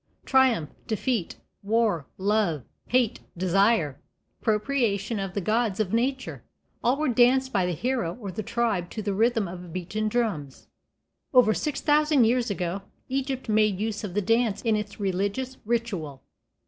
Triumph, defeat, war, love, hate, desire, propitiation of the gods of nature, all were danced by the hero or the tribe to the rhythm of beaten drums. Over six thousand years ago Egypt made use of the dance in its religious ritual.